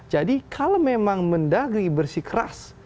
jadi kalau memang mendagri bersikeras